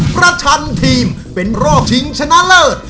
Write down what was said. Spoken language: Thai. ชันทีมเป็นรอบชิงชนะเลิศ